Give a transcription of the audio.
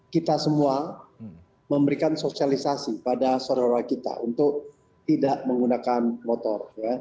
kita semua memberikan sosialisasi pada saudara saudara kita untuk tidak menggunakan motor